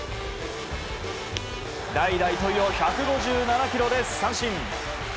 代打、糸井を１５７キロで三振。